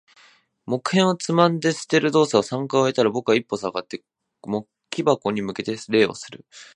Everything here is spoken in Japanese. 木片をつまんで捨てる動作を三回終えたら、僕は一歩下がって、木箱に向けて礼をする。